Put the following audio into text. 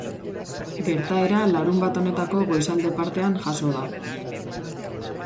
Gertaera larunbat honetako goizalde partean jazo da.